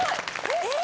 えっ